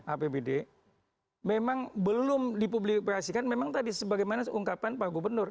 apbd memang belum dipublikasikan memang tadi sebagaimana ungkapan pak gubernur